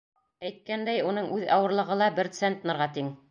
Әйткәндәй, уның үҙ ауырлығы ла бер центнерға тиң.